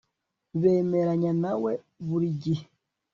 bemeranya na we burigihe